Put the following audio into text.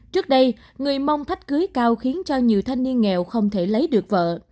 trước đây người mông thách cưới cao khiến cho nhiều thanh niên nghèo không thể lấy được vợ